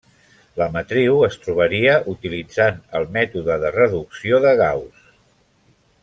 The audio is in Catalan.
La matriu es trobaria utilitzant el mètode de reducció de Gauss.